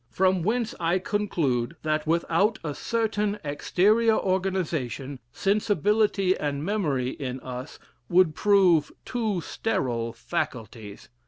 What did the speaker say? From whence I conclude, that, without a certain exterior organization, sensibility and memory in us would prove two sterile faculties.